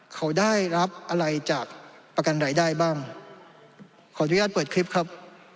เขาได้รับอะไรจากประกันรายได้บ้างขออนุญาตเปิดคลิปครับ